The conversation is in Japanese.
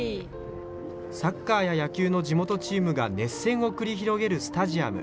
サッカーや野球の地元チームが熱戦を繰り広げるスタジアム。